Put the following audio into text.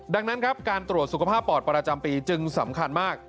ดังนั้นครับการตรวจสุขภาพปอดประจำปีจึงสำคัญมาก